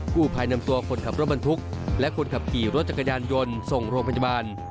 ผู้ภายนำตัวคนขับรถบรรทุกและคนขับขี่รถจักรยานยนต์ส่งโรงพยาบาล